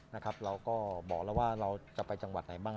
เราก็บอกแล้วว่าเราจะไปจังหวัดไหนบ้าง